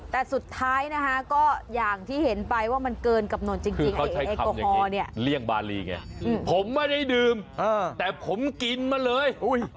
แต่สุดท้ายนะคะก็อย่างที่เห็นไปว่ามันเกินกับนั้นจริงโอโฮเนี่ย